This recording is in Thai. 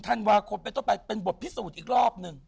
ธันวาคมไปต้นไปเป็นบทพิสูจน์อีกรอบหนึ่ง